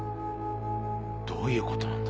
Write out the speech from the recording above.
どういう事なんだ？